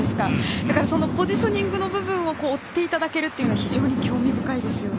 だから、そのポジショニングの部分を追っていただけるのは非常に興味深いですよね。